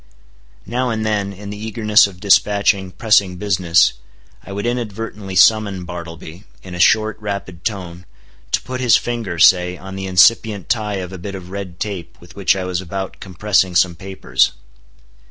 Now and then, in the eagerness of dispatching pressing business, I would inadvertently summon Bartleby, in a short, rapid tone, to put his finger, say, on the incipient tie of a bit of red tape with which I was about compressing some papers.